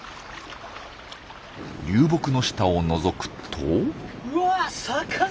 流木の下をのぞくと。